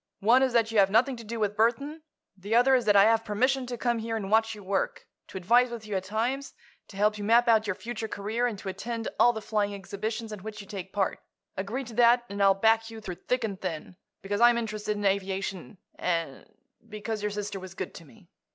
One is that you have nothing to do with Burthon. The other is that I have permission to come here and watch your work; to advise with you at times; to help you map out your future career and to attend all the flying exhibitions in which you take part. Agree to that, and I'll back you through thick and thin, because I'm interested in aviation and—because your sister was good to me."